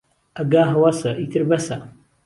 ئەگە هەوەسە، ئیتر بەسە